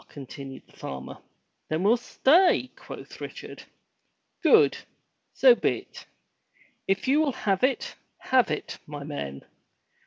continued the farmer. "Then we'll stay/* quoth Richard. "Good! so be*t! If you will have it, have it, my men!